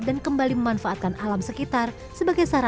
dan kembali memanfaatkan alam sekitar sebagai sarana